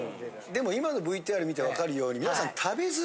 でも今のＶＴＲ見て分かるように皆さん。